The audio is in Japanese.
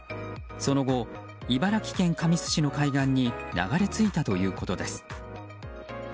その後、茨城県神栖市の海岸に流れ着いたということです。